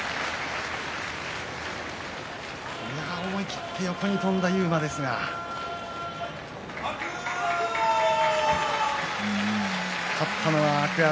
思い切って横に跳んだ勇磨ですが勝ったのは天空海。